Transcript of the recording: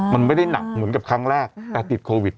มันไม่ได้หนักเหมือนกับครั้งแรกแต่ติดโควิด